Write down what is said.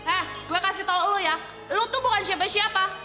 eh gue kasih tau lo ya lo tuh bukan siapa siapa